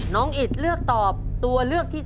อิตเลือกตอบตัวเลือกที่๓